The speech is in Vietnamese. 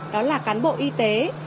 đó là cán bộ y tế